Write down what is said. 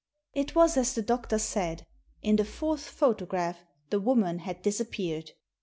It was as the doctor said. In the fourth photo graph the woman had disappeared.